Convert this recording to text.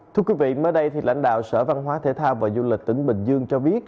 thưa quý vị mới đây lãnh đạo sở văn hóa thể thao và du lịch tỉnh bình dương cho biết